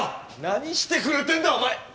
何してくれてんだお前っ